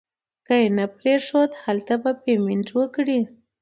که نه یې پرېښود هلته به پیمنټ وکړي.